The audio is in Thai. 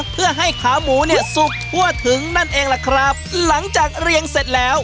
เพื่อให้ขาหมูเนี่ยสุกทั่วถึงนั่นเองล่ะครับหลังจากเรียงเสร็จแล้ว